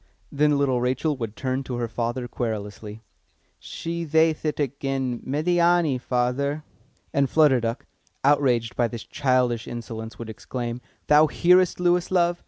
Then little Rachel would turn to her father querulously. "She thayth it again, Médiâni, father!" And Flutter Duck, outraged by this childish insolence, would exclaim, "Thou hearest, Lewis, love?"